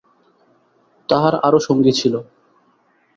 তাঁহার আরও সঙ্গী ছিল।